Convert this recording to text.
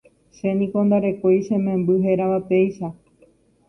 che niko ndarekói chememby hérava péicha.